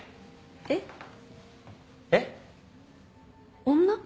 えっ？えっ？女？